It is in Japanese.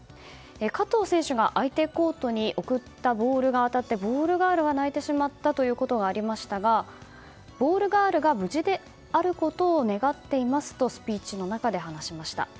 加藤選手が相手コートに送ったボールが当たってボールガールが泣いてしまったということがありましたがボールガールが無事であることを願っていますとスピーチの中で話しました。